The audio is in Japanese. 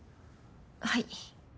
はい。